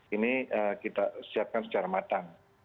ini kita siapkan secara matang